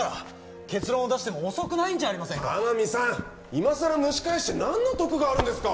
いまさら蒸し返して何の得があるんですか